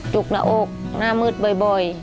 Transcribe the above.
จุกหน้าอกหน้ามืดบ่อย